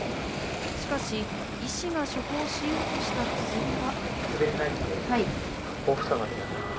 しかし、医師が処方しようとした薬は。